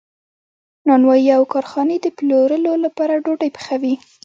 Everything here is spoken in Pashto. نانوایی او کارخانې د پلورلو لپاره ډوډۍ پخوي.